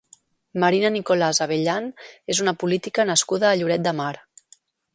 Marina Nicolàs Abellán és una política nascuda a Lloret de Mar.